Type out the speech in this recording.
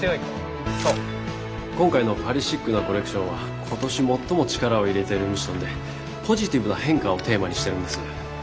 今回のパリシックなコレクションは今年最も力を入れてるミッションで「ポジティブな変化」をテーマにしてるんです。